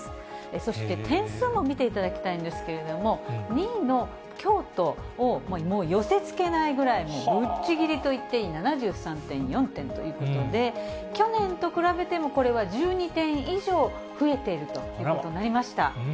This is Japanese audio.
そして点数も見て頂きたいんですけれども、２位の京都をもう寄せつけないぐらい、もうぶっちぎりといっていい、７３．４点ということで、去年と比べても、これは１２点以上増えているということになりました。